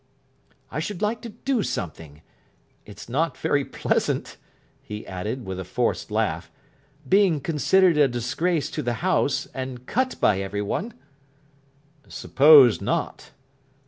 "I should like to do something. It's not very pleasant," he added, with a forced laugh, "being considered a disgrace to the house, and cut by everyone." "Suppose not."